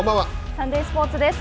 サンデースポーツです。